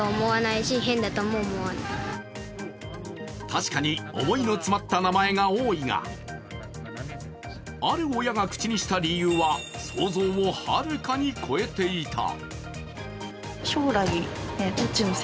確かに思いの詰まった名前が多いが、ある親が口にした理由は想像をはるかに超えていた。